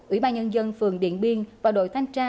ủy ban nhân dân phường điện biên và đội thanh tra